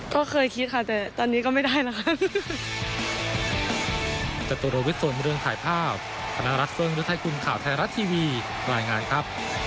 ก็เคยคิดค่ะแต่ตอนนี้ก็ไม่ได้นะคะ